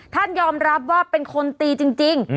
ท่านยอมรับว่าเป็นคนตีจริง